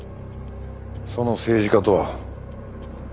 その政治家とは？